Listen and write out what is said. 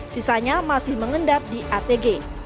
sisanya masih mengendap di atg